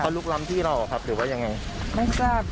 ลุกล้ำที่เราครับหรือว่ายังไงไม่ทราบ